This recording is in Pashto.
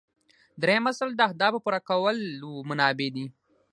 دریم اصل د اهدافو پوره کولو منابع دي.